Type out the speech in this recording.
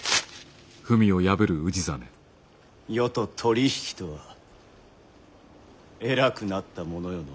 余と取り引きとは偉くなったものよの。